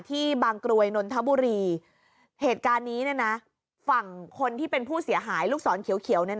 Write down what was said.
บางกรวยนนทบุรีเหตุการณ์นี้ฝั่งคนที่เป็นผู้เสียหายลูกศรเขียว